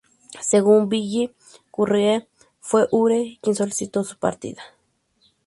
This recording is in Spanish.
Según Billy Currie, fue Ure quien solicitó su partida.